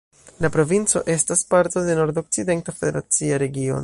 La provinco estas parto de Nordokcidenta federacia regiono.